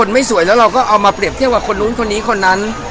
มาเปรียบเทียบว่าคนนู้นคนนี้คนนั้น